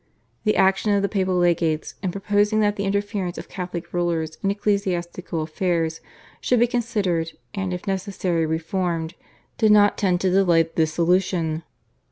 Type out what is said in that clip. The action of the papal legates in proposing that the interference of Catholic rulers in ecclesiastical affairs should be considered and if necessary reformed did not tend to delay the dissolution.